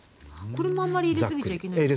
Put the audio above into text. これもあんまり入れ過ぎちゃいけないんですか？